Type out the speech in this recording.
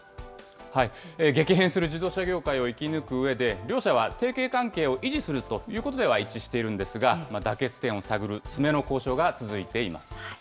激変する自動車業界を生き抜くうえで、両社は提携関係を維持するということでは一致しているんですが、妥結点を探る詰めの交渉が続いています。